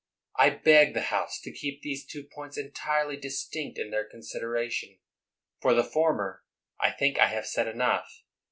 I beg the House tc keep these two points entirely distinct in their consideration. For the former I think I have said enough.